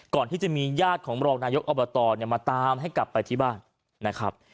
ก่อนที่จะมีญาติของรองนายกอบตมาตามให้กลับไปที่บ้านนะครับ